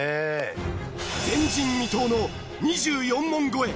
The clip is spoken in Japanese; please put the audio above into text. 前人未到の２４問超え！